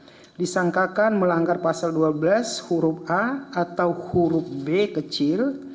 yang disangkakan melanggar pasal dua belas huruf a atau huruf b kecil